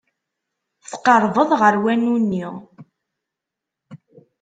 Tqerrbeḍ ɣer wanu-nni.